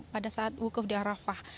pada saat wukuf di arafah